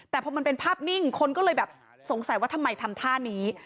แต่พอมันเป็นภาพนิ่งคนก็เลยแบบสงสัยว่าทำไมทำท่านี้